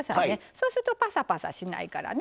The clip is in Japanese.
そうするとパサパサしないからね。